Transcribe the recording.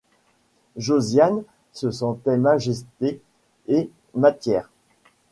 Josiane se sentait majesté et matière.